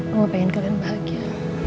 mama pengen kalian bahagia